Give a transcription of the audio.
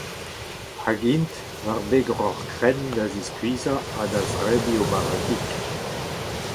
Hag int war beg Roc’h Krenn da ziskuizhañ ha da zebriñ o bara kig.